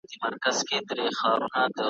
پر راتللو د زمري کورته پښېمان سو `